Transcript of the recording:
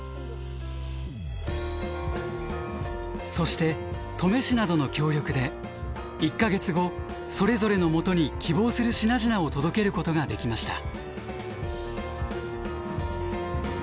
そして登米市などの協力で１か月後それぞれのもとに希望する品々を届けることができました。